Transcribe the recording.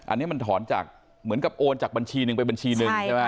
อันนี้มันถอนจากเหมือนกับโอนจากบัญชีหนึ่งไปบัญชีหนึ่งใช่ไหม